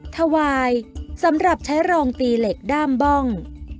ถวายสำหรับใช้รองตีเหล็กด้ามบ้อง